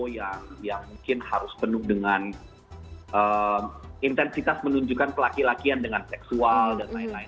yang mungkin harus penuh dengan intensitas menunjukkan pelaki lakian dengan seksual dan lain lain